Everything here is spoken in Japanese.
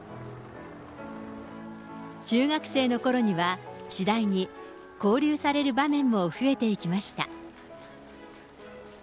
中学生のころには、次第に交流される場面も増えていきました。